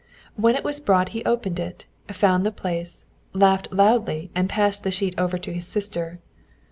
When it was brought he opened it, found the place, laughed loudly, and passed the sheet over to his sister.